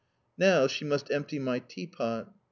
Now she must empty my tea pot.